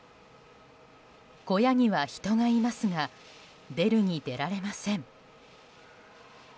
小屋には人がいますが出るに出られません。